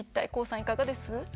ＫＯＯさん、いかがです？